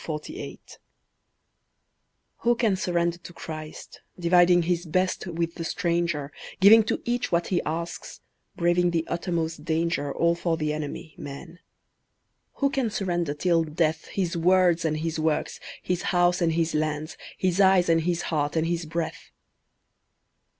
(Matthew 5:38 48) Who can surrender to Christ, dividing his best with the stranger, Giving to each what he asks, braving the uttermost danger All for the enemy, MAN? Who can surrender till death His words and his works, his house and his lands, His eyes and his heart and his breath?